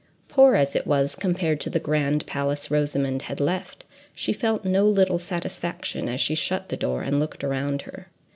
Poor as it was, compared to the grand place Rosamond had left, she felt no little satisfaction as she shut the door, and looked around her.